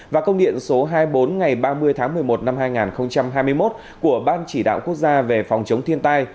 và công điện số hai mươi bốn ngày ba mươi tháng một mươi một năm hai nghìn hai mươi một của ban chỉ đạo quốc gia về phòng chống thiên tai